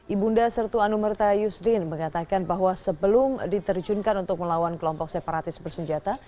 ibunda sertu anumerta yusdin mengatakan bahwa sebelum diterjunkan untuk melawan kelompok separatis bersenjata